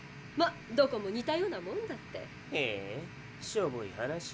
まどこも似たようなもんだって。へしょぼい話。